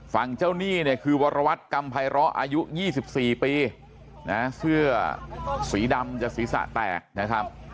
ฝั่งเจ้าหนี้เนี่ยคือวรวัตรกรรมภัยร้ออายุ๒๔ปีนะเสื้อสีดำจะศีรษะแตกนะครับ